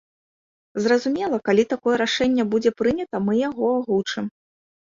Зразумела, калі такое рашэнне будзе прынята, мы яго агучым.